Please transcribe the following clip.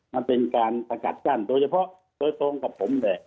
มันเป็นการสกัดกั้นโดยเฉพาะโดยตรงกับผมเลย